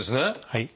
はい。